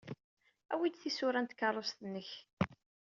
Awey-d tisura n tkeṛṛust-nnek.